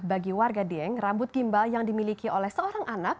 bagi warga dieng rambut gimbal yang dimiliki oleh seorang anak